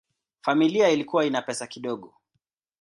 Familia ilikuwa ina pesa kidogo.